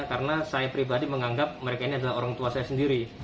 karena saya pribadi menganggap mereka ini adalah orang tua saya sendiri